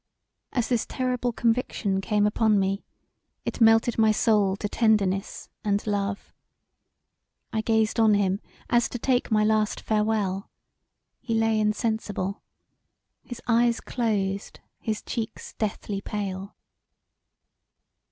As this terrible conviction came upon him [me?] it melted my soul to tenderness and love I gazed on him as to take my last farewell he lay insensible his eyes closed as [and?] his cheeks deathly pale.